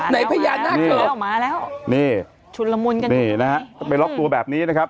มาแล้วมาแล้วนี่ชุดละมุนกันนี่นะฮะไปล็อกตัวแบบนี้นะครับ